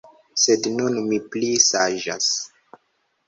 Sed nun mi pli saĝas.